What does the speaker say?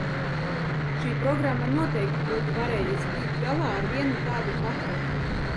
Šī programma noteikti būtu varējusi tikt galā ar vienu tādu paketi.